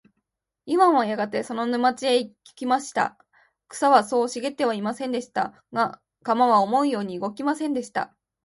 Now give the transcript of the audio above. イワンはやがてその沼地へ来ました。草はそう茂ってはいませんでした。が、鎌は思うように動きませんでした。